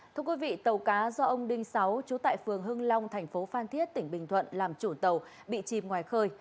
thưa quý vị tàu cá do ông đinh sáu chú tại phường hưng long thành phố phan thiết tỉnh bình thuận làm chủ tàu bị chìm ngoài khơi